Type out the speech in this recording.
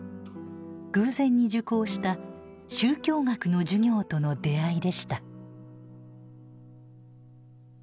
偶然に受講した宗教学の授業との出会いでした。